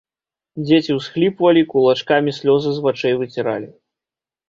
Дзеці усхліпвалі, кулачкамі слёзы з вачэй выціралі.